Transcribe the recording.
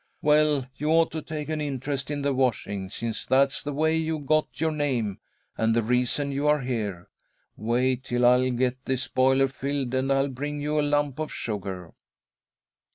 "Well, you ought to take an interest in the washing, since that's the way you got your name, and the reason you are here. Wait till I get this boiler filled, and I'll bring you a lump of sugar."